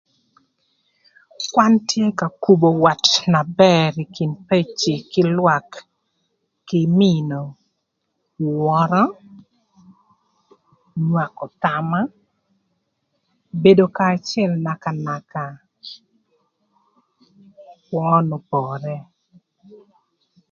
Kwan tye ka kubo wat na bër ï kin peci kï lwak, kï mïïnö wörö, nywakö thama, bedo kanya acël naka naka kï kwö n'opore.